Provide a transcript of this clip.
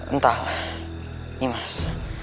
entahlah nih mas